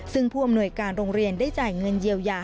ซึ่งผู้อำนวยการโรงเรียนได้จ่ายเงินเยียวยา